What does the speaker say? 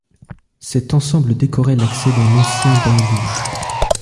Cet ensemble décorait l'accès d'un ancien bain-douches.